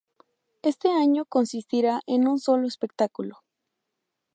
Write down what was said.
Este año consistirá en un solo espectáculo.